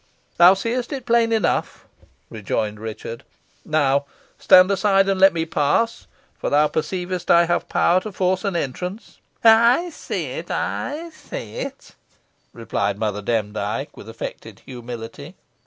"Thou seest it plain enough," rejoined Richard. "Now, stand aside and let me pass, for thou perceivest I have power to force an entrance." "I see it I see it," replied Mother Demdike, with affected humility.